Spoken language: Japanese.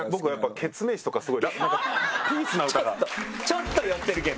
ちょっと寄ってるけど。